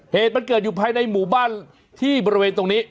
เหตุมันเกิดอยู่ภายในหมู่บ้านที่บริเวณตรงนี้